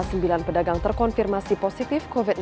sembilan pedagang terkonfirmasi positif covid sembilan belas